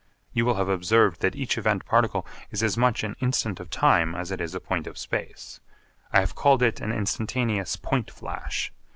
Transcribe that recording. You will have observed that each event particle is as much an instant of time as it is a point of space. I have called it an instantaneous point flash.